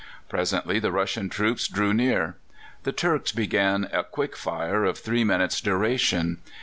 Presently the Russian troops drew near. The Turks began a quick fire of three minutes' duration.